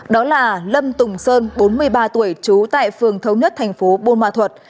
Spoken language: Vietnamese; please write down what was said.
đó là lâm tùng sơn bốn mươi ba tuổi trú tại phường thấu nhất thành phố buôn ma thuật